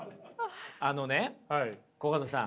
あのねコカドさん。